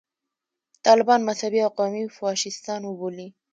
طالبان مذهبي او قومي فاشیستان وبولي.